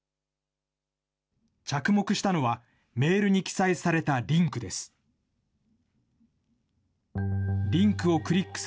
着目したのは、メールに記載されたリンクです。